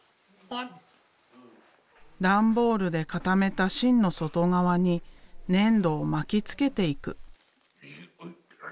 段ボールで固めた芯の外側に粘土を巻きつけていく。